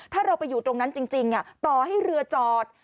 ถ้าเราไปอยู่ตรงนั้นจริงต่อให้เรือจอด